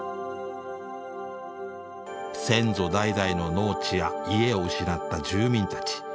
先祖代々の農地や家を失った住民たち。